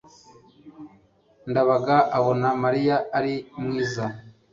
ndabaga abona mariya ari mwiza